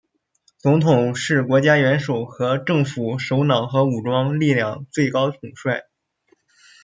总统是国家元首和政府首脑和武装力量最高统帅。